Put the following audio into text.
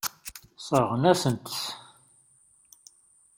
Sseṛɣen-asent-t.